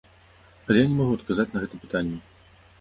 Але я не магу адказаць на гэта пытанне.